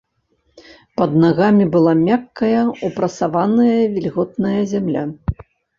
Пад нагамі была мяккая, упрасаваная, вільготная зямля.